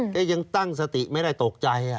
ก็ยังตั้งสติไม่ได้ตกใจ